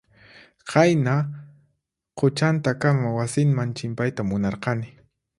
Qayna quchantakama wasinman chimpayta munarqani.